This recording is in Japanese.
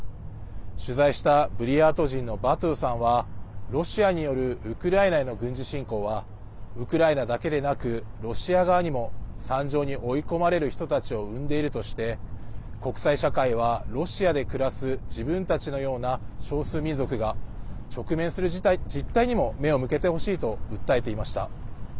取材したブリヤート人のバトゥさんはロシアによるウクライナへの軍事侵攻はウクライナだけでなくロシア側にも惨状に追い込まれる人たちを生んでいるとして国際社会はロシアで暮らす自分たちのような少数民族が直面する実態にも目を向けてほしいと訴えていました。